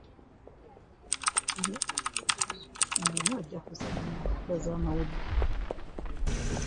Biibino ojja kubisanga mu mpapula z'amawulire.